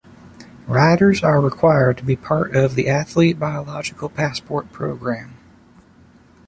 Riders are required to be part of the athlete biological passport program.